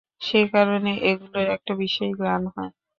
সে কারণে এগুলোর একটা বিশেষ ঘ্রাণ হয়।